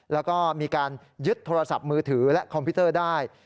แล้วก็มีการยึดโทรศัพท์มือถือและคอมพิวเตอร์ได้